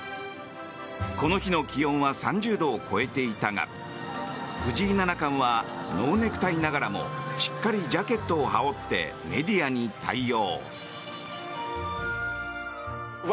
この日の気温は３０度を超えていたが藤井七冠はノーネクタイながらもしっかりジャケットを羽織ってメディアに対応。